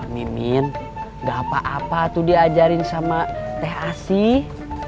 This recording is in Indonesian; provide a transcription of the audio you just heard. mimin gak apa apa tuh diajarin sama teh asih